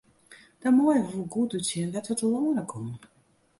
Dan meie we wol goed útsjen wêr't we telâne komme.